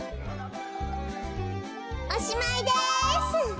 おしまいです！